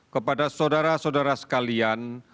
kepada saudara saudara sekalian